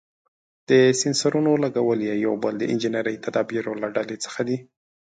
د سېنسرونو لګول یې یو بل د انجنیري تدابیرو له ډلې څخه دی.